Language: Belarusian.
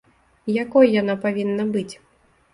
Якой яна павінна быць?